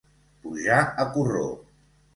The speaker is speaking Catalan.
Pujar a corró.